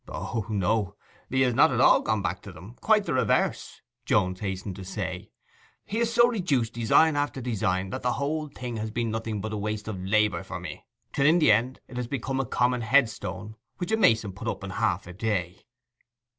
'O no—he has not at all gone back to them—quite the reverse,' Jones hastened to say. 'He has so reduced design after design, that the whole thing has been nothing but waste labour for me; till in the end it has become a common headstone, which a mason put up in half a day.